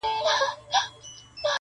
o د کبر کاسه نسکوره ده.